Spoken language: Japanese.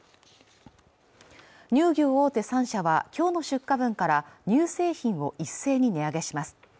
乳業大手３社はきょうの出荷分から乳製品を一斉に値上げします